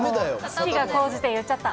好きが講じて言っちゃった。